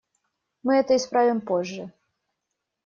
Мы это исправим позже.